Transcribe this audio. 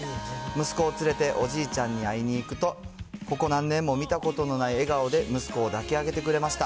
息子を連れておじいちゃんに会いに行くと、ここ何年も見たことのない笑顔で息子を抱き上げてくれました。